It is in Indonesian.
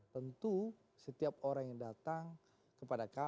tentu setiap orang yang datang kepada pak prabowo